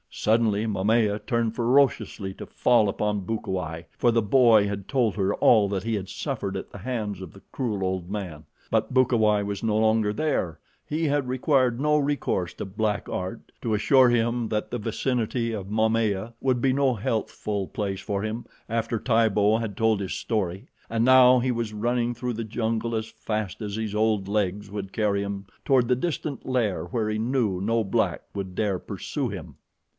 Suddenly Momaya turned ferociously to fall upon Bukawai, for the boy had told her all that he had suffered at the hands of the cruel old man; but Bukawai was no longer there he had required no recourse to black art to assure him that the vicinity of Momaya would be no healthful place for him after Tibo had told his story, and now he was running through the jungle as fast as his old legs would carry him toward the distant lair where he knew no black would dare pursue him.